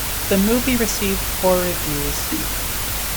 The movie received poor reviews.